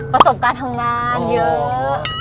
ประสบการณ์ทำงานเยอะ